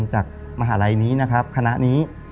จากมหาลัยนี้นะครับคณะนี้